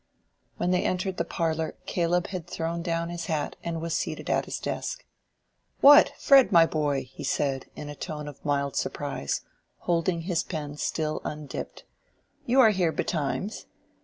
When they entered the parlor Caleb had thrown down his hat and was seated at his desk. "What! Fred, my boy!" he said, in a tone of mild surprise, holding his pen still undipped; "you are here betimes."